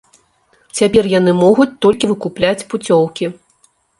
Цяпер яны могуць толькі выкупляць пуцёўкі.